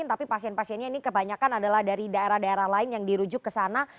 tapi pasien pasiennya ini kebanyakan adalah dari daerah daerah lain yang dirujuk ke sana